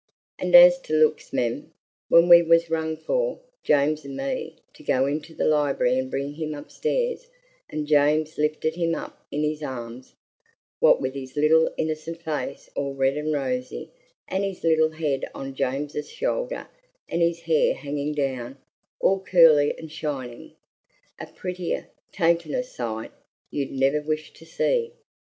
And as to looks, mem, when we was rung for, James and me, to go into the library and bring him upstairs, and James lifted him up in his arms, what with his little innercent face all red and rosy, and his little head on James's shoulder and his hair hanging down, all curly an' shinin', a prettier, takiner sight you'd never wish to see.